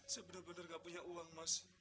saya benar benar gak punya uang mas